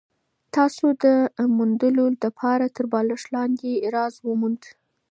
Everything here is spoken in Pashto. تاسي د موندلو دپاره تر بالښت لاندي راز وموند؟